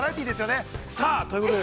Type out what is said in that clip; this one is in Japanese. さあということで。